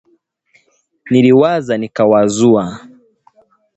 Niliwaza Nikawazua